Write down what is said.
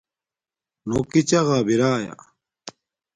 نݸ کݵ چَغݳ بِرݳیݳ.